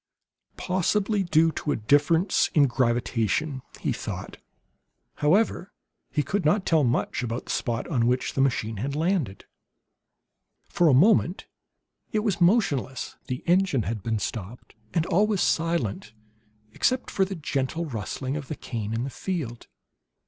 "Possibly due to difference in gravitation," he thought. However, he could not tell much about the spot on which the machine had landed. For a moment it was motionless; the engine had been stopped, and all was silent except for the gentle rustling of the cane in the field.